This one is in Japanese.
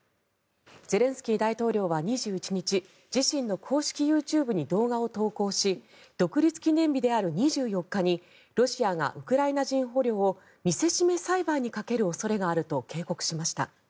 ゼレンスキー大統領は２１日自身の公式ＹｏｕＴｕｂｅに動画を投稿し独立記念日である２４日にロシアがウクライナ人捕虜を見せしめ裁判にかける恐れがあると警告しました。